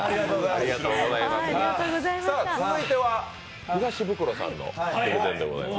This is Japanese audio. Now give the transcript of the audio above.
続いては東ブクロさんのプレゼンでございます